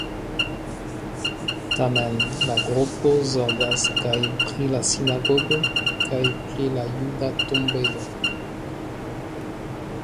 Tamen la grupo zorgas kaj pri la sinagogo kaj pli la juda tombejo.